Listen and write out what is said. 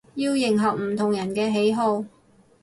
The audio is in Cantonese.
要迎合唔同人嘅喜好